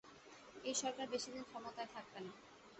এই সরকার বেশিদিন ক্ষমতায় থাকবে না।